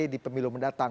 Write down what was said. di pemilu mendatang